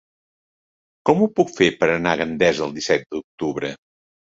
Com ho puc fer per anar a Gandesa el disset d'octubre?